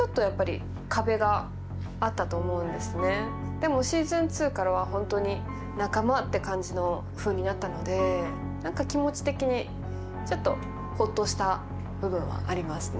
でも「Ｓｅａｓｏｎ２」からは本当に仲間って感じのふうになったので何か気持ち的にちょっとホッとした部分はありますね。